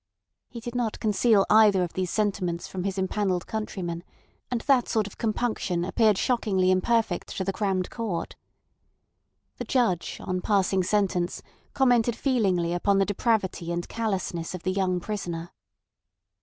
He did not conceal either of these sentiments from his empanelled countrymen, and that sort of compunction appeared shockingly imperfect to the crammed court. The judge on passing sentence commented feelingly upon the depravity and callousness of the young prisoner.